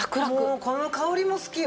もうこの香りも好きよ。